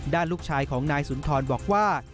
ลูกชายของนายสุนทรบอกว่า